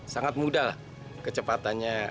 sangat mudah kecepatannya